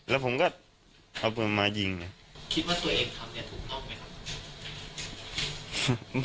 แล้วผมก็เอาปืนมายิงเลยคิดว่าตัวเองทำเนี่ยถูกต้องไหมครับ